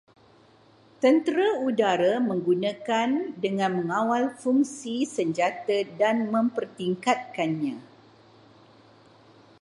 Tentera udara menggunakan dengan mengawal fungsi senjata dan mempertingkatkannya